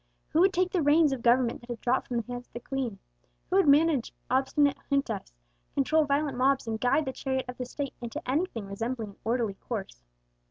Who would take the reins of government that had dropped from the hands of the Queen? Who would manage obstinate Juntas, control violent mobs, and guide the chariot of the State into anything resembling an orderly course?